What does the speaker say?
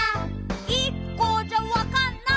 「１個じゃわかんない」